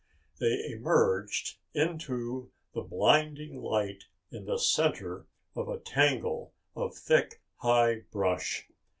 They emerged into the blinding light in the center of a tangle of thick, high brush.